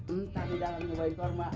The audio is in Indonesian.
entar di dalam nyobain korma